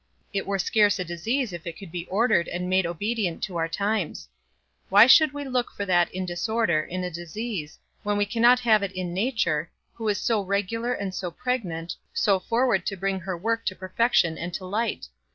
It were scarce a disease if it could be ordered and made obedient to our times. Why should we look for that in disorder, in a disease, when we cannot have it in nature, who is so regular and so pregnant, so forward to bring her work to perfection and to light?